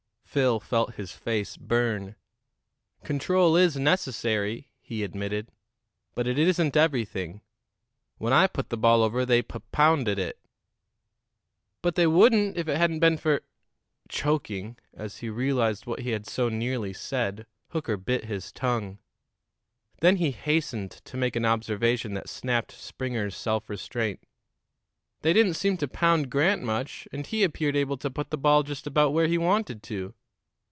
Phil felt his face burn. "Control is necessary," he admitted; "but it isn't everything. When I put the ball over, they pup pounded it." "But they wouldn't if it hadn't been for " Choking, as he realized what he had so nearly said, Hooker bit his tongue. Then he hastened to make an observation that snapped Springer's self restraint. "They didn't seem to pound Grant much, and he appeared able to put the ball just about where he wanted to."